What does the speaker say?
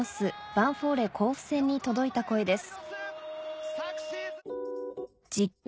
ヴァンフォーレ甲府戦に届いた声です